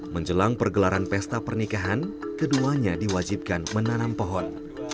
menjelang pergelaran pesta pernikahan keduanya diwajibkan menanam pohon